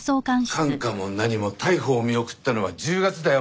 看過も何も逮捕を見送ったのは１０月だよ。